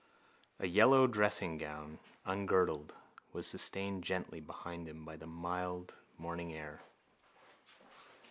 A yellow dressinggown, ungirdled, was sustained gently behind him on the mild morning air.